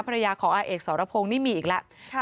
ภรรยาของอาเอกสรพงศ์นี่มีอีกแล้ว